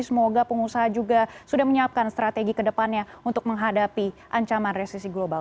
semoga pengusaha juga sudah menyiapkan strategi ke depannya untuk menghadapi ancaman resesi global